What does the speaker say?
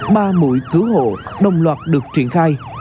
đội cứu hộ đồng loạt được triển khai